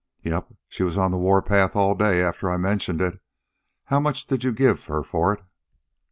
"Yep, she was on the warpath all day after I mentioned it. How much did you give her for it?"